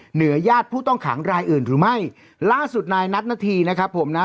เหนือญาติผู้ต้องขังรายอื่นหรือไม่ล่าสุดนายนัทนาธีนะครับผมนะ